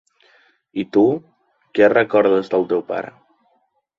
I tu, què recordes del teu pare?